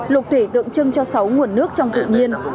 lục thủy tượng trưng cho sáu nguồn nước trong tuyệt vời